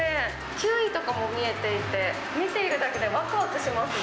キウイとかも見えていて、見ているだけでわくわくしますね。